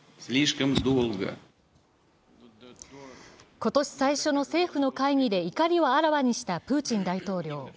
今年最初の政府の会議で怒りをあらわにしたプーチン大統領。